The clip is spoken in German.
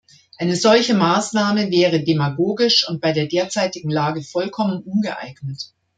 Eine solche Maßnahme wäre demagogisch und bei der derzeitigen Lage vollkommen ungeeignet.